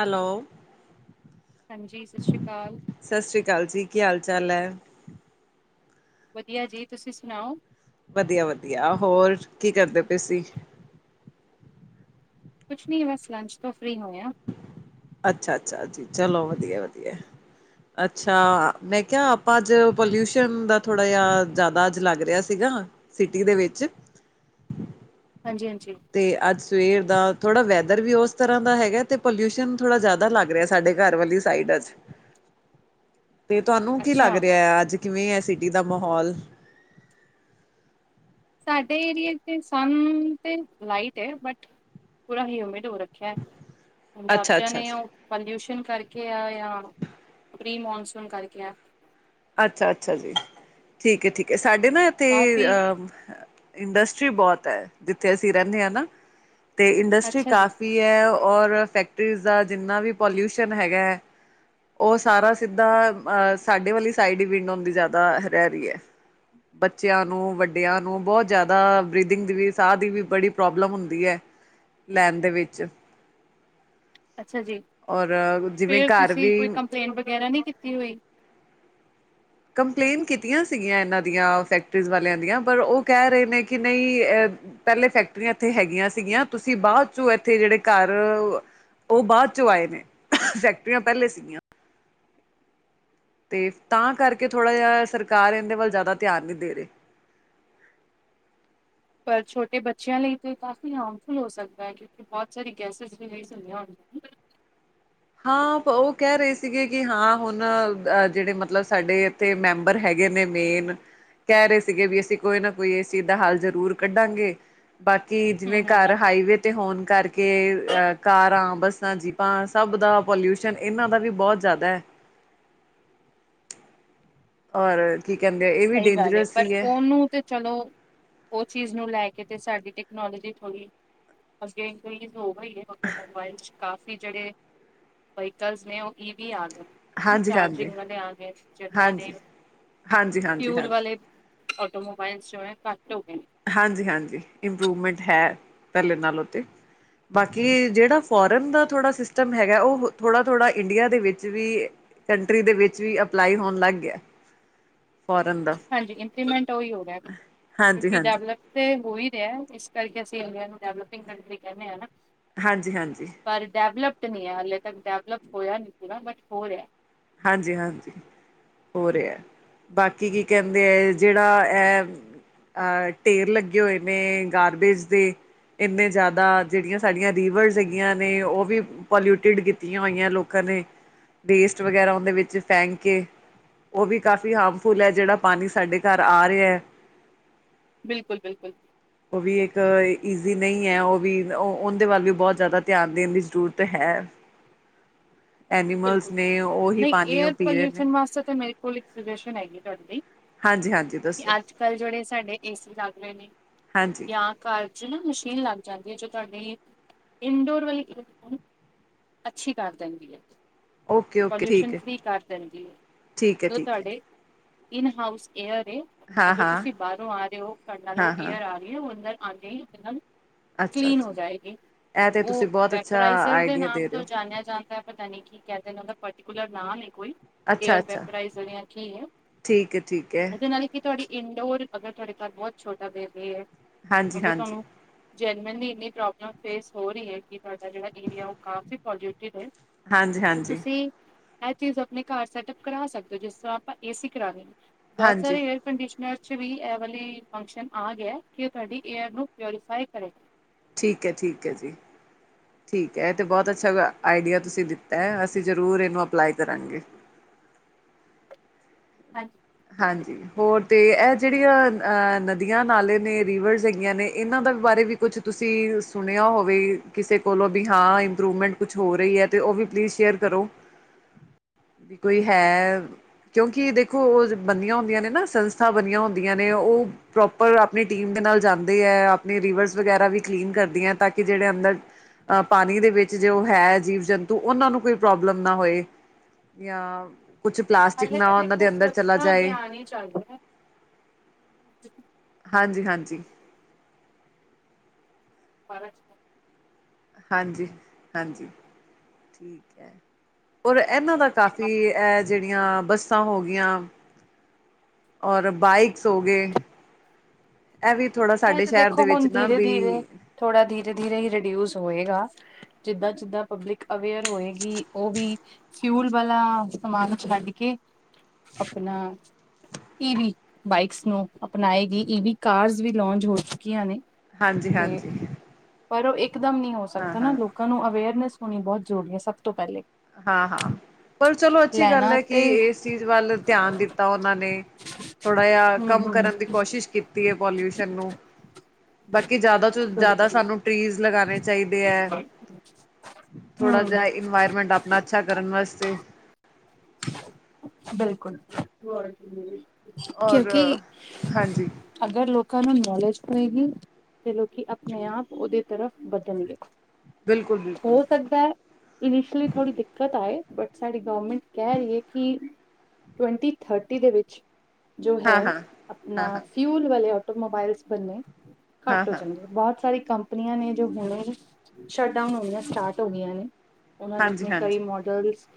Hello, ਹਾਂਜੀ ਸਤਿ ਸ਼੍ਰੀ ਅਕਾਲ। ਸਤਿ ਸ੍ਰੀ ਅਕਾਲ ਜੀ, ਕੀ ਹਾਲ ਚਾਲ ਹੈ? ਵਧੀਆ ਜੀ ਤੁਸੀਂ ਸੁਣਾਓ? ਵਧੀਆ ਵਧੀਆ, ਹੋਰ ਕੀ ਕਰਦੇ ਪਏਸੀਂ? ਕੁਛ ਨਹੀਂ, ਬਸ ਲੰਚ ਤੋਂ ਫਰੀ ਹੋਏ ਹ। ਅੱਛਾ ਅੱਛਾ ਜੀ, ਚਲੋ ਵਧੀਆ ਵਧੀਆ। ਅੱਛਾ, ਮੈਂ ਕਿਹਾ ਆਪਾਂ ਅੱਜ ਪੋਲਿਊਸ਼ਨ ਦਾ ਥੋੜ੍ਹਾ ਜਿਹਾ, ਜ਼ਿਆਦਾ ਅੱਜ ਲੱਗ ਰਿਹਾ ਸੀਗਾ ਸਿਟੀ ਦੇ ਵਿੱਚ ਹਾਂਜੀ ਹਾਂਜੀ। ਤੇ ਅੱਜ ਸਵੇਰ ਦਾ ਥੋੜਾ ਵੈਦਰ ਵੀ ਉਸ ਤਰ੍ਹਾਂ ਦਾ ਹੈਗਾ, ਤੇ ਪੋਲਿਊਸ਼ਨ ਥੋੜ੍ਹਾ ਜਿਆਦਾ ਲੱਗ ਰਿਹਾ ਸਾਡੇ ਘਰ ਵਾਲੀ ਸਾਈਡ, ਅਜ ਤੇ ਤੁਹਾਨੂੰ ਕੀ ਅੱਛਾ ਲੱਗ ਰਿਹਾ ਹੈ, ਅੱਜ ਕਿਵੇਂ ਹੈ ਸਿਟੀ ਦਾ ਮਾਹੌਲ? ਸਾਡੇ ਏਰੀਏ ਤੇ ਸਨ ਤੇ ਲਾਈਟ ਹੈ, ਬਟ ਪੂਰਾ ਹੀ, ਹਮੀਡ ਹੋ ਰੱਖਿਆ। ਅੱਛਾ ਅੱਛਾ ਰਬਜ਼ਾਂਣੇ ਆ ਅੱਛਾ। ਉਹ ਪੋਲਿਊਸ਼ਨ ਕਰਕੇ ਆ, ਜਾਂ ਪ੍ਰੀ ਮੌੋਨਸੂਨ ਕਰਕੇ ਆ। ਅੱਛਾ ਅੱਛਾ ਜੀ, ਠੀਕ ਹੈ ਠੀਕ ਹੈ, ਸਾਡੇ ਨਾ ਇਥੇ ਕਾਫੀ ਅ ਇੰਡਸਟਰੀ ਬਹੁਤ ਹੈ, ਜਿੱਥੇ ਅਸੀਂ ਰਹਿੰਦੇ ਹਾਂ ਨਾ, ਤੇ ਇੰਡਸਟਰੀ ਅੱਛਾ ਜੀ ਕਾਫੀ ਵੀ ਹੈ ਔਰ, ਫੈਕਟਰੀਜ਼ ਦਾ ਜਿੰਨਾ ਵੀ ਪੋਲਿਊਸ਼ਨ ਹੈਗਾ ਹੈ ਉਹ ਸਾਰਾ ਸਿੱਧਾ ਸਾਡੇ ਵਾਲੀ ਸਾਈਡ ਹੀ, ਵਿੰਡ ਹੁੰ ਦੀ ਜ਼ਿਆਦਾ ਰਹਿ ਰਹੀ ਹੈ। ਬੱਚਿਆਂ ਨੂੰ, ਵੱਡਿਆਂ ਨੂੰ, ਬਹੁਤ ਜ਼ਿਆਦਾ ਬਰੀਦਿੰਗ ਦੀ ਵੀ ਸਾਹ ਦੀ ਵੀ, ਬੜੀ ਪ੍ਰੋਬਲਮ ਹੁੰਦੀ ਹੈ ਲੈਣ ਦੇ ਵਿੱਚ ਅੱਛਾ ਜੀ। ਔਰ, ਜਿਵੇਂ ਘਰ ਵੀ ਕੰਪਲੇਟ ਵਗੈਰਾ, ਨੀ ਕੀਤੀ ਹੋਈ? ਕੰਪਲੇਂਨ ਕੀਤੀਆਂ ਸੀਗੀਆਂ ਇਹਨਾਂ ਦੀਆਂ ਫੈਕਟਰੀਜ਼ ਵਾਲਿਆਂ ਦੀਆਂ, ਪਰ ਉਹ ਕਹਿ ਰਹੇ ਨੇ ਕਿ ਨਹੀਂ ਅ ਪਹਿਲੇ ਫੈਕਟਰੀਆਂ ਇੱਥੇ ਹੈਗੀਆਂ ਸੀਗੀਆਂ, ਤੁਸੀਂ ਬਾਅਦ 'ਚੋਂ ਇੱਥੇ ਜਿੜੇ ਘਰ ਉਹ ਬਾਅਦ 'ਚੋਂ ਆਏ ਨੇ, ਫੈਕਟਰੀਆਂ ਪਹਿਲੇ ਸੀਗੀਆਂ। ਤੇ ਤਾਂ ਕਰਕੇ ਥੋੜ੍ਹਾ ਜਿਹਾ ਸਰਕਾਰ, ਇਹਦੇ ਵੱਲ ਜ਼ਿਆਦਾ ਧਿਆਨ ਨਹੀਂ ਦੇ ਰਹੀ। ਪਰ ਛੋਟੇ ਬੱਚਿਆਂ ਲਈ ਤਾਂ, ਕਾਫ਼ੀ ਹਾਰਮਫੁਲ ਹੋ ਸਕਦਾ ਹੈ। ਕਿ ਬਹੁਤ ਸਾਰੀ, ਗੈਸਿਜਲੀਜ਼ ਹੁੰਦਿਆਂ ਹੋਨ ਹਾਂ ਉਹ ਕਹਿ ਰਹੇ ਸੀਗੇ, ਕਿ ਹਾਂ ਹੁਣ ਅ ਜਿਹੜੇ ਮਤਲਬ ਸਾਡੇ ਤੇ ਮੈਂਬਰ ਹੈਗੇ ਨੇ, ਮੇਨ ਕਹਿ ਰਹੇ ਸੀਗੇ, ਵੀ ਅਸੀਂ ਕੋਈ ਨਾ ਕੋਈ ਇਸ ਚੀਜ਼ ਦਾ ਹੱਲ ਜ਼ਰੂਰ ਕੱਢਣਗੇ। ਬਾਕੀ ਜਿਵੇਂ ਹਮ ਹਮ ਘਰ ਹਾਈਵੇ ਤੇ ਹੋਣ ਕਰਕੇ, ਅ ਕਾਰਾਂ, ਬੱਸਾਂ, ਜੀਪਾਂਸ ਸਭ ਦਾ ਪੋਲਿਊਸ਼ਨ, ਇਹਨਾਂ ਦਾ ਵੀ ਬਹੁਤ ਜ਼ਿਆਦਾ ਹੈ। ਹੋਰ ਸਹੀ ਗੱਲ ਏ, ਪਰ ਉਹਨੂੰ ਤੇ ਚਲੋ ਉਹ ਚੀਜ਼ ਨੂੰ ਲੈ ਕੇ ਤੇ, ਸਾਡੀ ਟੈਕਨੋਲੋਜੀ ਥੋੜ੍ਹੀ ਅਗੇ ਕੋਈ ਹੋ ਗ ਹੀ ਹੈ ਟੋਮੋਬਾਈਲ 'ਚ, ਕਾਫੀ ਜਿਹੜੇ ਵਹੀਕਲਸ ਨੇ ਉਹ ਈ ਵੀ ਆ ਗਏ ਹਨਾ, ਹਾਂਜੀ ਹਾਂਜੀ ਚਾਰਜਿੰਗ ਵਾਲੇ ਆ ਗਏ ਜਿਨਾ ਹਾਂਜੀ ਦੇ ਹਾਂਜੀ ਹਾਂਜੀ ਫਿਊਲ ਹਾਂਜੀ ਵਾਲੇ, ਅਟੋਮੋਬਾਈਲਸ ਜੋ ਹੈ ਕੱਟ ਹੋ ਗਏ। ਹਾਂਜੀ ਹਾਂਜੀ, ਇੰਪਰੂਵਮੈਂਟ ਹੈ, ਪਹਿਲੇ ਨਾਲ ਤੇ। ਬਾਕੀ ਜਿਹੜਾ ਫੋਰਨ ਦਾ ਥੋੜ੍ਹਾ ਸਿਸਟਮ ਹੈਗਾ, ਉਹ ਥੋੜ੍ਹਾ -ਥੋੜ੍ਹਾ ਇੰਡੀਆ ਦੇ ਵਿੱਚ ਵੀ ਕੰਟਰੀ ਦੇ ਵਿੱਚ ਵੀ, ਅਪਲਾਈ ਹੋਣ ਲੱਗ ਗਿਆ ਫੋਰਨ ਦਾ ਹਾਂਜੀ ਇੰਪਲੀਮੈਂਟ ਉਹੀ ਹੋ ਗਿਆਹਾ, ਕਿਉਂਕਿ ਹਾਂਜੀ-ਹਾਂਜੀ, ਡੈਵਲਪ ਤੇ ਹੋ ਹੀ ਰਿਹਾ ਇਸ ਕਰਕੇ ਅਸੀਂ, ਅਗਲਾ ਡਵਲਪਿੰਗ ਕੰਟਰੀ ਕਹਿੰਦੇ ਹਾਨਾ। ਹਾਂਜੀ, ਹਾਂਜੀ। ਪਰ ਡੈਵਲਪਡ ਨਹੀਂ ਹੈ ਹਾਲਲੇ ਤੱਕ, ਡੈਵਲਪ ਹੋਇਆ ਨੀ ਸੀਗਾ ਬਟ ਹੋ ਰਿਹਾ। ਹਾਂਜੀ ਹਾਂਜੀ। ਹੋ ਰਿਹਾ ਬਾਕੀ ਕੀ ਕਹਿੰਦੇ ਹੈ ਜਿਹੜਾ ਇਹ ਅਹ ਢੇਰ ਲੱਗੇ ਹੋਏ ਨੇ ਗਾਰਬੇਜ ਦੇ ਇੰਨੇ ਜ਼ਿਆਦਾ ਜਿਹੜੀਆਂ ਸਾਡੀਆਂ ਰੀਵਰਸ ਹੈਗੀਆਂ ਨੇ ਉਹ ਵੀ ਪੋਲਿਊਟਿਡ ਕੀਤੀਆਂ ਹੋਈਆਂ ਲੋਕਾਂ ਨੇ ਵੇਸਟ ਵਗੈਰਾ ਉਹਦੇ ਵਿੱਚ ਫੈਂਕ ਕੇ ਉਹ ਵੀ ਕਾਫੀ ਹਾਰਮਫੁੱਲ ਹੈ ਜਿਹੜਾ ਪਾਣੀ ਸਾਡੇ ਘਰ ਆ ਰਿਹਾ। ਬਿਲਕੁਲ ਬਿਲਕੁਲ। ਉਹ ਵੀ ਇੱਕ ਈਜ਼ੀ ਨਹੀਂ ਹੈ ਉਹ ਵੀ ਉਹੰਦੇ ਵੱਲ ਵੀ ਬਹੁਤ ਜ਼ਿਆਦਾ ਧਿਆਨ ਦੇਣ ਦੀ ਜ਼ਰੂਰਤ ਹੈ। ਐਨੀਮਲਸ ਬਿਲਕੁਲ ਨੇ ਉਹੀ ਨਹੀਂ ਪਾਣੀ ਉਹ ਏਅਰ ਪੀ ਰਹੇ ਨੇ ਪੋਲਿਊਸ਼ਨ ਵਾਸਤੇ ਤਾਂ ਮੇਰੇ ਕੋਲ ਇੱਕ ਸਜਏਸ਼ਨ ਹੈਗੀ ਤੁਹਾਡੇ ਲਈ। ਹਾਂਜੀ ਹਾਂਜੀ ਕੇ ਦੱਸੋ ਅੱਜ ਕੱਲ ਜਿਹੜੇ ਸਾਡੇ ਏ ਸੀ ਲੱਗ ਰਹੇ ਨੇ ਹਾਂਜੀ ਯਾ ਘਰ ਚ ਨਾ ਮਸ਼ੀਨ ਲੱਗ ਜਾਂਦੀ ਹੈ ਜੋ ਤੁਹਾਡੀ ਇਨਡੋਰ ਵਾਲੀ ਅੱਛੀ ਕਰ ਦਿੰਦੀ ਹੈ। ਓਕੇ ਓਕੇ ਪੋਲਿਊਸ਼ਨ ਠੀਕ ਹੈ ਫ੍ਰੀ ਕਰ ਦਿੰਦੀ ਹੈ ਠੀਕ ਹੈ ਜੋ ਠੀਕ ਹੈ ਤੁਹਾਡੇ ਇਨ ਹਾਊਸ ਏਅਰ ਏ ਹਾਂ ਅਗਰ ਹਾਂ ਤੁਸੀਂ ਬਾਹਰੋਂ ਆ ਰਹੇ ਹੋ ਤੁਹਾਡੇ ਨਾਲ ਹਾਂ ਉ ਹਾਂ ਏਅਰ ਆ ਉਹ ਅੰਦਰ ਆਉੰਦੇ ਹੀ ਇਕ ਦਮ ਅੱਛਾ ਕਲੀਨ ਹੋ ਅੱਛਾ ਜਾਏਗੀ ਇਹ ਤਾਂ ਤੁਸੀਂ ਉਹ ਬਹੁਤ ਅੱਛਾ ਵੈਪਰਾਈਜ਼ਰ ਦੇ ਆਈਡੀਆ ਨਾਮ ਰਹੇ ਤੋਂ ਹੋ ਜਾਣਿਆ ਜਾਂਦਾ। ਪਤਾ ਨੀ ਕੀ ਕਹਿ ਦੇ ਨੇ ਉਹਦਾ ਪਰਟੀਕੁਲਰ ਨਾਂ ਨੀ ਕੋਈ। ਅੱਛਾ ਏਅਰ ਅੱਛਾ ਵੈਪਰਾਇਜ਼ [unintelligible] ਕੀ ਹੈ ਠੀਕ ਹੈ ਠੀਕ ਹੈ ਉਹਦੇ ਨਾਲ ਹੀ ਕਿ ਤੁਹਾਡੀ ਇੰਡੋਰ ਅਗਰ ਤੁਹਾਡੇ ਘਰ ਬਹੁਤ ਛੋਟਾ ਬੇਬੀ ਹੈ ਹਾਂਜੀ ਅਗਰ ਹਾਂਜੀ ਤੁਹਾਨੂੰ ਜੇਨੁਅਲੀ ਇਨੀ ਪ੍ਰੋਬਲਮ ਫੇਸ ਹੋ ਰਹੀ ਹੈ ਕਿ ਤੁਹਾਡਾ ਜਿਹੜਾ ਏਰੀਆ ਹੈ ਕਾਫੀ ਪੋਲਉਟਿਡ ਹੈ। ਹਾਂਜੀ ਤੇ ਹਾਂਜੀ ਤੁਸੀਂ ਇਹ ਚੀਜ਼ ਆਪਣੇ ਘਰ ਸੈਟਅੱਪ ਕਰਾ ਸਕਦੇ ਹੋ ਜਿਸ ਤਰ੍ਹਾਂ ਆਪਾਂ ਏ ਸੀ ਕਰਾੰਦੇ ਨੇ। ਬਹੁਤ ਹਾਂਜੀ ਸਾਰੇ ਹੈਂ ਕੰਡੀਸ਼ਨਰ ਚ ਵੀ ਇਹ ਵਾਲੀ ਫੰਕਸ਼ਨ ਆ ਗਿਆ ਕਿ ਤੁਹਾਡੀ ਏਅਰ ਨੂੰ ਪਿਓਰੀ ਫਾਈ ਕਰੇ। ਠੀਕ ਹੈ ਠੀਕ ਹੈ ਜੀ। ਠੀਕ ਹੈ ਇਹ ਤੇ ਬਹੁਤ ਅੱਛਾ ਆਡੀਆ ਤੁਸੀਂ ਦਿੱਤਾ ਹੈ ਅਸੀਂ ਜ਼ਰੂਰ ਇਹਨੂੰ ਅਪਲਾਈ ਕਰਾਂਗੇ। ਹਾਂਜੀ। ਹਾਂਜੀ ਹੋਰ ਤੇ ਇਹ ਜਿਹੜੀਆਂ ਅਹ ਨਦੀਆਂ ਨਾਲੇ ਨੇ ਰੀਵਰਸ ਹੈਗੀਆਂ ਨੇ ਇਹਨਾਂ ਦੇ ਬਾਰੇ ਵੀ। ਕੁਛ ਤੁਸੀਂ ਸੁਣਿਆ ਹੋਵੇ ਕਿਸੇ ਕੋਲੋਂ ਵੀ ਹਾਂ ਇੰਪਰੂਵਮੈਂਟ ਕੁਛ ਹੋ ਰਹੀ ਹੈ। ਤੇ ਉਹ ਵੀ ਪਲੀਜ਼ ਸ਼ੇਅਰ ਕਰੋ। ਵੀ ਕੋਈ ਹੈ ਕਿਉਂਕਿ ਦੇਖੋ ਉਹ ਬਣੀਆਂ ਹੁੰਦੀਆਂ ਨੇ ਨਾ ਸੰਸਥਾ ਬਣੀਆਂ ਹੁੰਦੀਆਂ ਨੇ ਉਹ ਪ੍ਰੋਪਰ ਆਪਣੀ ਟੀਮ ਦੇ ਨਾਲ ਜਾਂਦੇ ਹੈ ਆਪਣੇ ਰਿਵਰਸ ਵਗੈਰਾ ਵੀ ਕਲੀਨ ਕਰਦਿਆਂ ਹੈ ਤਾਂ ਕਿ ਜਿਹੜੇ ਅੰਦਰ ਅ ਪਾਣੀ ਦੇ ਵਿੱਚ ਜੋ ਹੈ ਜੀਵ ਜੰਤੂ ਉਹਨਾਂ ਨੂੰ ਕੋਈ ਪ੍ਰੋਬਲਮ ਨਾ ਹੋਏ। ਯਾਂ ਕੁਛ ਪਲਾਸਟਿਕ ਹਾਲੇ ਤਾਂ ਨਾ ਉਹਨਾਂ ਦੇਖੋ ਦੇ ਅੰਦਰ ਚਲਾ ਸਵੱਛਤਾ ਜਾਏ ਅਭਿਆਨ ਹੀ ਚਲ ਰਿਹਾ ਹੈ। ਹਾਂਜੀ ਹਾਂਜੀ। ਫਰਕ ਹਾਂਜੀ ਹਾਂਜੀ ਠੀਕ ਹੈ। ਔਰ ਇਹਨਾਂ ਦਾ ਕਾਫ਼ੀ ਐ ਜਿਹੜੀਆਂ ਬੱਸਾਂ ਹੋ ਗਈਆਂ। ਔਰ ਬਾਈਕਸ ਹੋ ਗਏ। ਇਹ ਵੀ ਥੋੜਾ ਸਾਡੇ ਸ਼ਹਿਰ ਦੇ ਵਿੱਚ ਨਾ ਵੀ ਥੋੜ੍ਹਾ ਧੀਰੇ ਧੀਰੇ ਹੀ ਰਿਡਿਊਸ ਹੋਏਗਾ ਜਿੱਦਾਂ ਜਿੱਦਾਂ ਪਬਲਿਕ ਅਵੇਅਰ ਹੋਏਗੀ ਉਹ ਵੀ ਫਿਊਲ ਵਾਲਾ ਸਮਾਨ ਛੱਡ ਕੇ ਆਪਣਾ ਈਵੀ ਬਾਈਕ ਨੂੰ ਅਪਨਾਏਗੀ ਈਵੀ ਕਾਰ ਵੀ ਲੌਂਚ ਹੋ ਚੁੱਕੀਆਂ ਨੇ। ਹਾਂਜੀ, ਤੇ ਹਾਂਜੀ। ਪਰ ਓ ਇਕ ਦਮ ਨੀ ਹੋ ਹਾਂ ਸਕਦਾ ਹਾਂ ਨਾ ਲੋਕਾਂ ਨੂੰ ਅਵੇਅਰਨੈਸ ਹੋਨੀ ਬੋਤ ਜ਼ਰੂਰੀ ਏ ਸਭ ਤੋਂ ਪੈਲੇ। ਹਾਂ ਹਾਂ ਪਰ ਚਲੋ ਅੱਛੀ ਗੱਲ ਐ ਕਿ ਤੇ ਇਸ ਚੀਜ਼ ਵੱਲ ਧਿਆਨ ਦਿੱਤਾ ਓਨਾਂ ਨੇ। ਥੋੜ੍ਹਾ ਜਾ ਹੂੰ ਕਮ ਹੂੰ ਕਰਨ ਦੀ ਕੋਸ਼ਿਸ਼ ਕੀਤ ਤੀ ਏ ਪੋਲਿਊਸ਼ਨ ਨੂੰ, ਬਾਕੀ ਜ਼ਿਆਦਾ ਤੋਂ ਜ਼ਿਆਦਾ ਬਿਲਕੁਲ ਸਾਨੂੰ ਟ੍ਰੀਜ਼ ਲਗਾਨੇ ਚਾਈਦੇ ਐ ਥੋੜ੍ਹਾ ਹੂੰ ਜਾ ਇਨਵਾਇਰਮੈਂਟ ਅਪਨਾ ਅੱਛਾ ਕਰਨ ਵਾਸਤੇ। ਬਿਲਕੁਲ। ਔਰ ਕਿਉਂਕਿ ਹਾਂਜੀ ਅਗਰ ਲੋਕਾਂ ਨੂੰ ਨੌਲੇਜ ਹੋਏਗੀ ਤੇ ਲੌਕੀ ਅਪਨੇ ਆਪ ਓਦੇ ਤਰਫ ਵਧਨਗੇ। ਬਿਲਕੁਲ ਬਿਲਕੁਲ ਹੋ ਸਕਦਾ ਇਨੀਸ਼ਲੀ ਥੋੜੀ ਦਿੱਕਤ ਆਏ ਬਟ ਸਾਡੀ ਗੌਰਮੈਂਟ ਕਹਿ ਰੀ ਏ ਕਿ ਟਵੰਟੀ ਥਰਟੀ ਦੇ ਵਿੱਚ ਜੋ ਹੈ ਹਾਂ ਹਾਂ ਹਾਂ ਅਪਨਾ ਹਾਂ ਫਿਊਲ ਵਾਲੇ ਆਟੋਮੋਬਾਈਲਸ ਬਨੇ ਹਾਂ ਘੱਟ ਹੋ ਹਾਂ ਜਾਂਗੇ ਬੋਤ ਸਾਰੀ ਕੰਪਨੀਆਂ ਨੇ ਜੋ ਹੁਣੇ ਸ਼ਟ ਡਾਊਨ ਹੋਨੀਆਂ ਸਟਾਰਟ ਹੋ ਗਈਆਂ ਨੇ। ਓਨਾਂ ਨੇ ਹਾਂਜੀ ਆਪਣੇ ਕਈ ਹਾਂਜੀ ਮੋਡਲਸ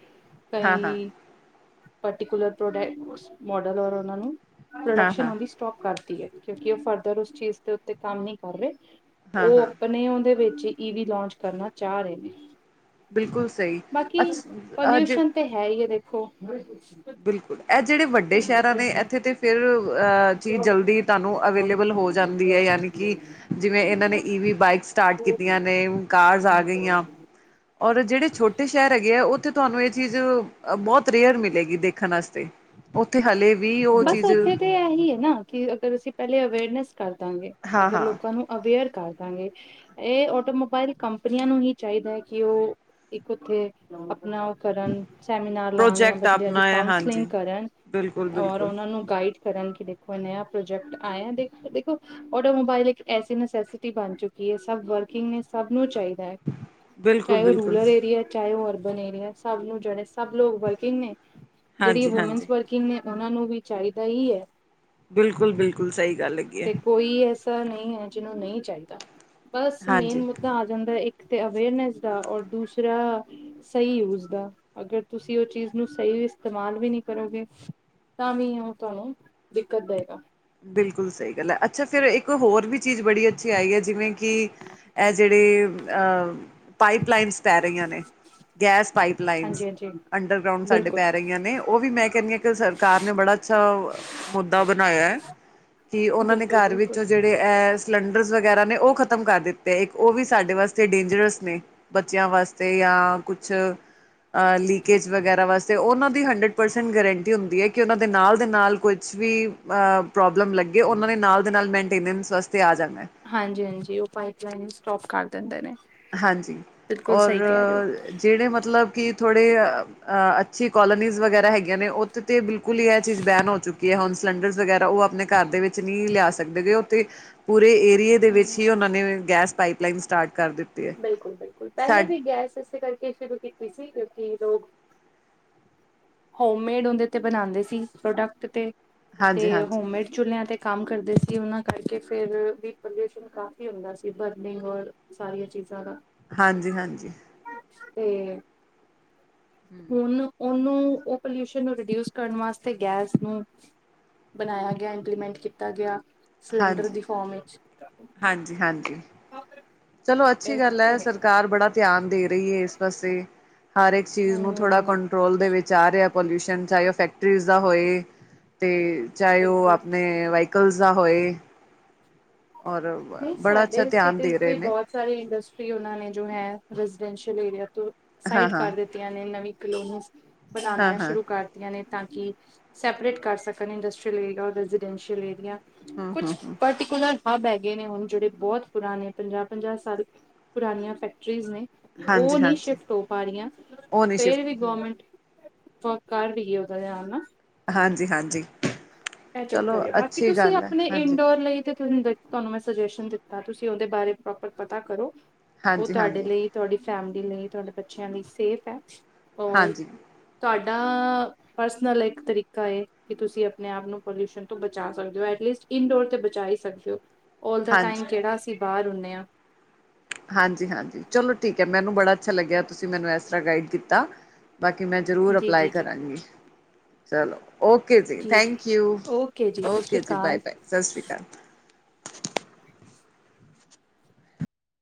ਹਾਂ ਹਾਂ ਕਈ ਪਰਟੀਕੂਲਰ ਪ੍ਰੋਡਕ ਮੋਡਲ ਔਰ ਓਨਾਂ ਨੂੰ ਹਾਂ ਪ੍ਰੋਡਕਸ਼ਨ ਹਾਂ ਉਂਦੀ ਸਟੋਪ ਕਰ ਤੀ ਏ ਕਿਉਂਕਿ ਓ ਫਰਦਰ ਉਸ ਚੀਜ਼ ਦੇ ਉੱਤੇ ਕੰਮ ਨੀ ਕਰ ਰੇ। ਹਾਂ ਓ ਹਾਂ ਅਪਨੇ ਓਂਦੇ ਵਿੱਚ ਈਵੀ ਲੌਂਚ ਕਰਨਾ ਚਾਅ ਰੇ ਨੇ। ਬਿਲਕੁਲ ਸਈ ਬਾਕੀ ਅੱਛ ਅੱਜ ਪੋਲਿਊਸ਼ਨ ਤੇ ਹੈ ਈ ਏ ਦੇਖੋ। ਬਿਲਕੁਲ ਅ ਜਿਹੜੇ ਵੱਡੇ ਸ਼ਹਿਰਾਂ ਨੇ ਐਥੇ ਤੇ ਫਿਰ ਅ ਚੀਜ਼ ਜਲਦੀ ਤੁਹਾਨੂੰ ਅਵੇਲੇਬਲ ਹੋ ਜਾਂਦੀ ਏ ਯਾਨੀ ਕਿ ਜਿਵੇਂ ਏਨਾਂ ਨੇ ਈ ਵੀ ਬਾਈਕ ਸਟਾਰਟ ਕੀਤੀਆਂ ਨੇ ਕਾਰਸ ਆ ਗਈਆਂ। ਔਰ ਜੇੜੇ ਛੋਟੇ ਸ਼ਹਿਰ ਹੈਗੇ ਐ ਓਥੇ ਤੁਆਨੂੰ ਏ ਚੀਜ ਅ ਬੋਤ ਰੇਅਰ ਮਿਲੇਗੀ ਦੇਖਨ ਆਸਤੇ। ਓਥੇ ਹਾਲੇ ਵੀ ਬਸ ਓਥੇ ਤੇ ਐ ਹੀ ਏ ਨਾ ਕਿ ਅਗਰ ਅਸੀਂ ਪੈਲੇ ਅਵੇਅਰਨੈਸ ਕਰ ਦਾਂਗੇ, ਹਾਂ ਅਗਰ ਹਾਂ ਲੋਕਾਂ ਨੂੰ ਅਵੇਅਰ ਕਾਰ ਦਾਂਗੇ। ਏ ਔਟੋਮੋਬਾਇਲ ਕੰਪਨੀਆਂ ਨੂੰ ਹੀ ਚਾਈਦਾ ਏ ਕਿ ਓ, ਇੱਕ ਓਥੇ ਅਪਨਾ ਓ ਕਰਨ, ਸੈਮੀਨਾਰ ਲਾਨ ਯਾਂ ਪ੍ਰੋਜੈਕਟ ਬੰਦੇਆਂ ਦੀ ਆਪਣਾ ਹੈ ਕਾਉਨਸਲਿੰਗ ਹਾਂਜੀ ਕਰਨ ਬਿਲਕੁਲ ਔਰ ਬਿਲਕੁਲ ਓਨਾਂ ਨੂੰ ਗਾਈਡ ਕਰਨ ਕਿ ਦੇਖੋ ਏ ਨਯਾ ਪ੍ਰੋਜੈਕਟ ਆਏਆ ਦੇਖੋ-ਦੇਖੋ ਔਟੋਮੋਬਾਈਲ ਇੱਕ ਐਸੀ ਨਸੈਸਸਿਟੀ ਬਨ ਚੁੱਕੀ ਐ ਸਭ ਵਰਕਿੰਗ ਨੇ ਸਾਬ ਨੂੰ ਚਾਈਦਾ ਐ, ਬਿਲਕੁਲ ਚਾਏ ਓ ਬਿਲਕੁਲ ਰੂਲਰ ਏਰੀਆ ਚਾਏ ਓ ਅਰਬਨ ਏਰੀਆ ਸਾਬ ਨੂੰ ਜੇੜੇ ਸਾਭ ਲੋਕ ਵਰਕਿੰਗ ਨੇ, ਜੇੜੀ ਹਾਂਜੀ ਹਾਂਜੀ ਵੂਮੈਂਨਸ ਵਰਕਿੰਗ ਨੇ ਓਨਾਂ ਨੂੰ ਵੀ ਚਾਈਦਾ ਈ ਐ। ਬਿਲਕੁਲ-ਬਿਲਕੁਲ ਸਈ ਗੱਲ ਹੈਗੀ ਐ। ਕਿ ਐਸਾ ਨਈ ਐ ਜਿਨੂੰ ਨਈ ਚਾਈਦਾ, ਬਾਸ ਮੇਨ ਹਾਂਜੀ ਮੁ ਦਾ ਆ ਜਾਂਦੈ ਇਕ ਤੇ ਅਵੇਅਰਨੈਸ ਦਾ ਔਰ ਦੂਸਰਾ ਸਈ ਯੂਜ਼ ਦਾ, ਅਗਰ ਤੁਸੀਂ ਓ ਚੀਜ਼ ਨੂੰ ਸਈ ਇਸਤੇਮਾਲ ਵੀ ਨੀ ਕਰੋਗੇ ਤਾਂ ਵੀ ਓ ਤੁਆਨੂੰ, ਦਿੱਕਤ ਦਏਗਾ। ਬਿਲਕੁਲ ਸਈ ਗੱਲ ਐ ਅੱਛਾ ਫਿਰ ਇੱਕ ਹੋਰ ਵੀ ਚੀਜ ਬੜੀ ਅੱਛੀ ਆਈ ਐ ਜਿਵੇਂ ਕਿ ਐ ਜੇੜੇ ਅ, ਪਾਈਪ ਲਾਈਨਸ ਪੈ ਰਈਆਂ ਨੇ ਗੈਸ ਪਾਈਪ ਹਾਂਜੀ ਲਾਈਨਸ। ਹਾਂਜੀ ਅੰਡਰਗਰਾਊਂਡ ਸਾਡੇ ਬਿਲਕੁਲ ਪੈ ਰਈਆਂ ਨੇ ਓ ਵੀ ਮੈਂ ਕੈਨੀ ਆ ਕਿ ਸਰਕਾਰ ਨੇ ਬੜਾ ਅੱਛਾ ਅ ਮੁੱਦਾ ਬਨਾਏਆ ਐ। ਕਿ ਓਨਾਂ ਨੇ ਬਿਲਕੁਲ ਘਰ ਬਿਲਕੁਲ ਵਿੱਚ ਜੇੜੇ ਐ, ਸਿਲੰਡਰਸ ਵਗੈਰਾ ਨੇ ਓ ਖ਼ਤਮ ਕਰ ਦਿੱ ਤੇ ਇਕ ਓ ਵੀ ਸਾਡੇ ਵਾਸਤੇ ਡੇਂਜਰਸ ਨੇ, ਬੱਚੇਆਂ ਵਾਸਤੇ ਯਾਂ ਕੁਛ ਅ ਲੀਕੇਜ ਵਗੈਰਾ ਵਾਸਤੇ ਓਨਾਂ ਦੀ ਹੰਡਰਡ ਪਰਸੈੰਟ ਗਰੰਟੀ ਹੁੰਦੀ ਐ ਕਿ ਓਨਾਂ ਦੇ ਨਾਲ ਦੇ ਨਾਲ ਕੋਈ ਕੁਛ ਵੀ ਅ, ਪ੍ਰੋਬਲਮ ਲੱਗੇ ਓਨਾਂ ਨੇ ਨਾਲ ਦੇ ਨਾਲ ਮੈਨਟੇਨੈਂਸ ਵਾਸਤੇ ਆ ਜਾਨਾ ਹਾਂਜੀ-ਹਾਂਜੀ ਓ ਪਾਈਪ ਲਾਈਨ ਈ ਸਟੋਪ ਕਰ ਦਿੰਦੇ ਨੇ। ਹਾਂਜੀ, ਬਿਲਕੁਲ ਔਰ ਸਹੀ ਕਹਿ ਰਹੇ ਹੋ ਜੇੜੇ ਮਤਲਬ ਕਿ ਥੋੜੇ ਅ ਅ ਅੱਛੀ ਕੋਲੋਨੀਜ਼ ਵਗੈਰਾ ਹੈਗੀਆਂ ਨੇ ਓੱਥੇ ਤੇ ਬਿਲਕੁਲ ਈ ਐ ਚੀਜ ਬੈਨ ਹੋ ਚੁੱਕੀ ਐ ਹੁਨ ਸਿਲੰਡਰਜ਼ ਵਗੈਰਾ ਓ ਆਪਨੇ ਘਰ ਦੇ ਵਿੱਚ ਨੀ ਲੇਆ ਸਕਦੇ ਗੇ ਓੱਥੇ, ਪੂਰੇ ਏਰੀਏ ਦੇ ਹਮ ਵਿਚ ਹੀ ਓਨਾਂ ਨੇ ਗੈਸ ਪਾਈਪ ਲਾਈਨ ਸਟਾਟ ਕਾਰ ਦਿੱ ਬਿਲਕੁਲ-ਬਿਲਕੁਲ, ਪੈਲੇ ਵੀ ਗੈਸ ਇਸੇ ਕਰਕੇ ਸ਼ੁਰੂ ਕੀਤੀ ਸੀ ਕਿਉਂਕਿ ਲੋਗ ਹੋਮਮੇਡ ੳਦੇ ਤੇ ਬਨਾੰਦੇ ਸੀ ਪ੍ਰੋਡਕਟ ਤੇ, ਤੇ ਹਾਂਜੀ ਹਾਂਜੀ ਹੋਮਮੇਡ ਚੁਲੇਆਂ ਤੇ ਕਾਮ ਕਰਦੇ ਸੀ ਉਨਾਂ ਕਰਕੇ ਫੇਰ ਵੀ ਪੋਲਿਊਸ਼ਨ ਕਾਫ਼ੀ ਹੁੰਦਾ ਸੀ ਬਰਨਿੰਗ ਔਰ ਸਾਰੀਆ ਚੀਜ਼ਾਂ ਦਾ ਹਾਂਜੀ-ਹਾਂਜੀ। ਤੇ, ਹੁਨ ਓਨੂੰ ਓ ਪਲੀਊਸ਼ਨ ਨੂੰ ਰਿਡਊਸ ਕਰਨ ਵਾਸਤੇ ਗੈਸ ਨੂੰ ਬਨਾਏਆ ਗੇਆ ਇੰਪਲੀਮੈਂਟ ਕੀਤਾ ਗੇਆ, ਸਿਲੰਡਰ ਹਾਂਜੀ ਦੀ ਫੋਮ ਵਿੱਚ ਹਾਂਜੀ ਹਾਂਜੀ ਚਲੋ ਅੱਛੀ ਇਹ ਗੱਲ ਐ ਚੱਕਰ ਹੈ ਸਰਕਾਰ ਬੜਾ ਧੇਆਨ ਦੇ ਰੀ ਏ ਏਸ ਪਾਸੇ ਹਰ ਇਕ ਚੀਜ਼ ਹਮ ਨੂੰ ਹਮ ਥੋੜਾ ਕੋਂ ਹਮ ਟਰੋਲ ਦੇ ਵਿਚ ਆ ਰੇਆ ਪੋਲਿਊਸ਼ਨ ਚਾਏ ਓ ਫੈਕਟਰੀਜ਼ ਦਾ ਹੋਏ, ਤੇ ਚਾਏ ਓ ਬਿਲਕੁਲ ਆਪਨੇ, ਵਾਈਕਲਜ਼ ਦਾ ਹੋਏ ਔਰ ਨਈ ਬੜਾ ਅੱਛਾ ਸਾਡੇ ਧਿਆਨ ਦੇ ਸਿਟੀਜ਼ ਰਹੇ ਵੀ ਨੇ ਬੋਤ ਸਾਰੀ ਇੰਡਸਟਰੀ ਓਨਾਂ ਨੇ ਜੋ ਹੈ ਰੈਜ਼ੀਡੈਂਸ਼ੀਅਲ ਏਰੀਆ ਤੋ ਹਾਂ ਸਾਈਡ ਹਾਂ ਕਾਰ ਦਿੱ ਦਿੱਤੀਆਂ ਨੇ ਨਵੀਂ ਕਲੋਨੀਸ, ਹਾਂ ਬਣਾਨੀਆਂ ਹਾਂ ਸ਼ੁਰੂ ਕਰ ਦਿੱਤੀਆਂ ਨੇ ਤਾਂ ਕਿ, ਸੈਪਰੇਟ ਕਰ ਸਕਣ ਇੰਡਸਟਰੀਅਲ ਏਰੀਆ ਔਰ ਰੈਜੀਡੈਂਸ਼ੀਅਲ ਏਰੀਆ ਹਮ ਹਮ ਕੁੱਛ ਪਰਟੀਕੁਲਰ ਹੱਬ ਹੈਗੇ ਨੇ ਹੁਣ ਜੇੜੇ ਬੋਤ ਪੁਰਾਣੇ ਪੰਜਾਅ-ਪੰਜਾਅ ਸਾਲ ਪੁਰਾਨੀਆਂ ਫੈਕਟਰੀਜ਼ ਨੇ ਓ ਹਾਂਜੀ ਨੀ ਹਾਂਜੀ ਸ਼ਿਫਟ ਹੋ ਪਾਰੀਆਂ, ਉਹ ਨਹੀਂ ਫੇਰ ਵੀ ਸ਼ਿਫਟ ਗੌਰਮੈਂਟ ਓ ਕਰ ਰੀ ਏ ਉਦਾ ਵੇਆ ਨਾ ਹਾੰਜੀ-ਹਾੰਜੀ। ਐ ਚੱਕਰ ਏ ਬਾਕੀ ਤੁਸੀਂ ਹੈ ਅਪਣੇ ਹਾਂਜੀ ਇਨਡੋਰ ਲਈ ਤੇ ਤਾਨੂੰ ਦੇ ਤਾਨੂੰ ਮੈਂ ਸਜੈਸ਼ਨ ਦਿੱਤਾ ਤੁਸੀਂ ਓਦੇ ਬਾਰੇ ਪ੍ਰੋਪਰ ਪਤਾ ਕਰੋ ਓ ਹਾਂਜੀ ਤਾਡੇ ਹਾਂਜੀ ਲਈ ਤੁਆਡੀ ਫੈਮਿਲੀ ਲਈ ਤੁਆਡੇ ਬੱਚਿਆਂ ਲਈ ਸੇਫ ਐ, ਔਰ ਹਾਂਜੀ ਤੁਆਡਾ ਪਰਸਨਲ ਇੱਕ ਤਰੀਕਾ ਕੇ ਤੁਸੀਂ ਅਪਣੇ ਆਪ ਨੂੰ ਪੋਲਿਊਸ਼ਨ ਤੋਂ ਬਚਾ ਸਕਦੇ ਓ ਐਟਲਿਸਟ ਇਨਡੋਰ ਤੇ ਬਚਾ ਈ ਸਕਦੇ ਓ ਆਲ ਦਾ ਹਾਂਜੀ ਟਾਈਮ ਕੇੜਾ ਅ ਸੀ ਬਾਹਰ ਹੁਨੇ ਆ ਹਾਂਜੀ-ਹਾਂਜੀ ਚਲੋ ਠੀਕ ਐ ਮੈਨੂੰ ਬੜਾ ਅੱਛਾ ਲੱਗਿਆ ਤੁਸੀਂ ਮੈਨੂੰ ਐਸ ਤਰਾ ਗਾਈਡ ਕੀਤਾ ਬਾਕੀ ਮੈਂ ਜ਼ਰੂਰ ਜੀ ਅਪਲਾਏ ਜੀ ਜੀ ਕਰਾਂਗੀ ਚਲੋ ਓਕੇ ਜੀ, ਥੈਂਕ ਯੂ, ਓਕੇ ਜੀ ਸਤਿ ਸ਼੍ਰੀ ਓਕੇ ਜੀ, ਅਕਾਲ ਬਾਏ-ਬਾਏ ਸਾਸ ਸ਼੍ਰੀ ਕਾਲ